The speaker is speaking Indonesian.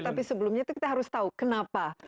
tapi sebelumnya itu kita harus tahu kenapa